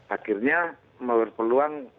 akhirnya mewarisi peluang